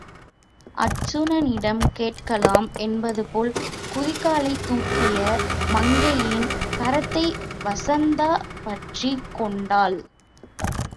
அர்ச்சுனனிடம் கேட்கலாம் என்பதுபோல் குதிகாலைத் தூக்கிய மங்கையின் கரத்தை வசந்தா பற்றிக் கொண்டாள்.